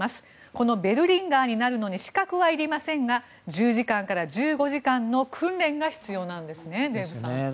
このベルリンガーになるのに資格はいりませんが１０時間から１５時間の訓練が必要なんですね、デーブさん。